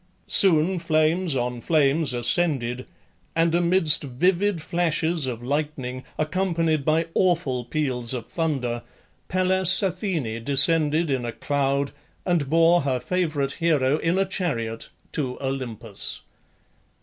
Soon flames on flames ascended, and amidst vivid flashes of lightning, accompanied by awful peals of thunder, Pallas Athene descended in a cloud, and bore her favourite hero in a chariot to Olympus.